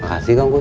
makasih kang kusai